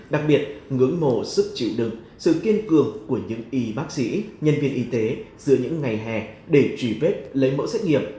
đặc biệt ngưỡng mộ sức chịu đựng sự kiên cường của những y bác sĩ nhân viên y tế giữa những ngày hè để truy vết lấy mẫu xét nghiệm